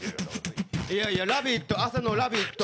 いやいや「ラヴィット！」、朝の「ラヴィット！」